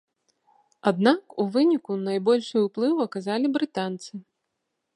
Аднак у выніку найбольшы ўплыў аказалі брытанцы.